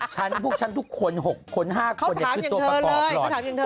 ฉันปุ๊กฉันทุกคน๖คน๕คนว่าอยากคือตัวประกอบหลอน